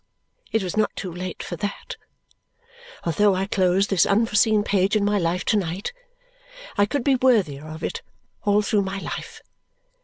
It was not too late for that. Although I closed this unforeseen page in my life to night, I could be worthier of it all through my life.